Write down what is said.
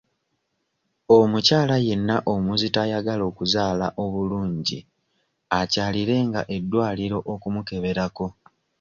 Omukyala yenna omuzito ayagala okuzaala obulungi akyalirenga eddwaliro okumukeberako.